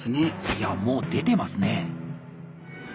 いやもう出てますね。